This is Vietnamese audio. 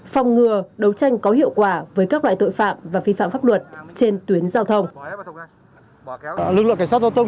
phòng ngừa đấu tranh có hiệu quả với các loại tội phạm và vi phạm pháp luật trên tuyến giao thông